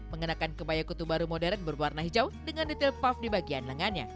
mengenakan kebaya kutu baru modern berwarna hijau dengan detail puff di bagian lengannya